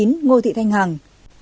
năm mươi chín ngô thị thanh hằng